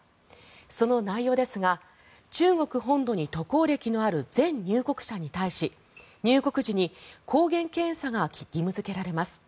その内容ですが、中国本土に渡航歴のある全入国者に対し、入国時に抗原検査が義務付けられます。